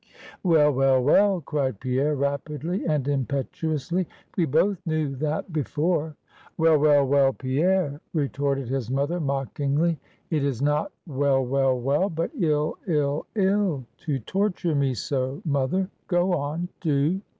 "Well, well, well," cried Pierre rapidly and impetuously; "we both knew that before." "Well, well, well, Pierre," retorted his mother, mockingly. "It is not well, well, well; but ill, ill, ill, to torture me so, mother; go on, do!"